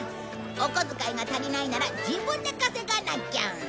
お小遣いが足りないなら自分で稼がなきゃ。